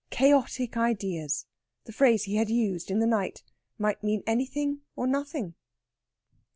"Chaotic ideas" the phrase he had used in the night might mean anything or nothing.